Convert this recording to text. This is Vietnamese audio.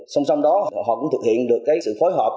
xong xong đó họ cũng thực hiện được sự phối hợp